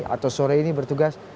atau sore ini bertugas